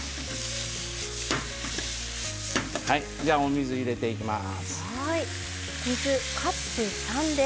はいじゃあお水入れていきます。